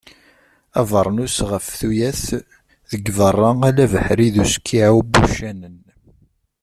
Abernus ɣef tuyat, deg berra ala abeḥri d uskiɛu n wuccanen.